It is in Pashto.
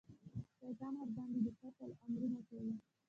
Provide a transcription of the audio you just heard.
شیطان ورباندې د قتل امرونه کوي.